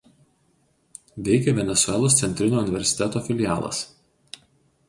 Veikia Venesuelos centrinio universiteto filialas.